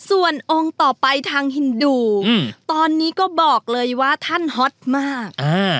ส่วนองค์ต่อไปทางฮินดูตอนนี้ก็บอกเลยว่าท่านฮอตมาก